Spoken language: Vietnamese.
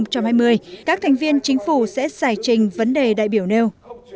các thành viên chính phủ sẽ giải trình vấn đề đại biểu nêu